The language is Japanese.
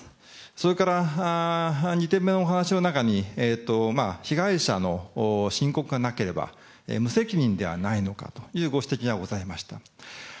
それから２点目のお話の中に、被害者の申告がなければ無責任ではないかというご指摘がございました。